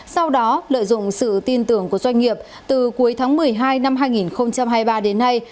sau đó lợi dụng sự tin tưởng của doanh nghiệp từ cuối tháng một mươi hai năm hai nghìn hai mươi ba đến nay